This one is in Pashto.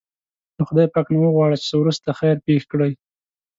له خدای پاک نه وغواړه چې وروسته خیر پېښ کړي.